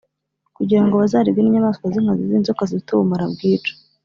kugira ngo bazaribwe n’inyamaswa z’inkazi n’inzoka zifite ubumara bwica